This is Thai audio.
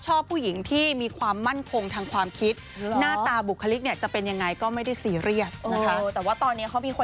ช่วยกันสร้างมันครับ